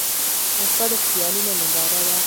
• شپه د خیالونو ننداره ده.